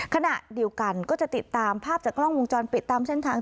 ขณะเดียวกันก็จะติดตามภาพจากกล้องวงจรปิดตามเส้นทาง